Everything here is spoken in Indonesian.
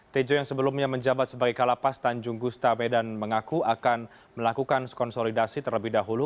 tejo yang sebelumnya menjabat sebagai kalapas tanjung gustamedan mengaku akan melakukan konsolidasi terlebih dahulu